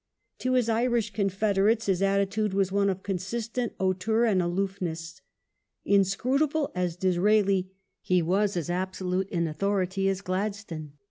To his Irish confederates his attitude was one of consistent hauteur and aloofness. Inscrutable as Disraeli, he was as absolute in authority as Gladstone.